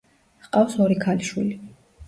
ჰყავს ორი ქალიშვილი.